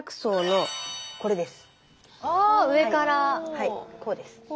はいこうです。